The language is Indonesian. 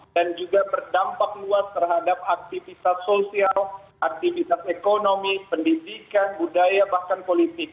dan juga berdampak luas terhadap aktivitas sosial aktivitas ekonomi pendidikan budaya bahkan politik